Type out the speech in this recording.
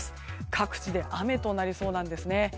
各地で雨となりそうなんですね。